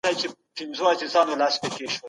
مطالعه انسان له انزوا څخه باسي.